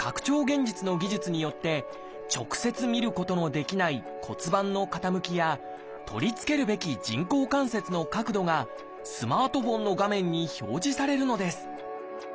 現実の技術によって直接見ることのできない骨盤の傾きや取り付けるべき人工関節の角度がスマートフォンの画面に表示されるのです。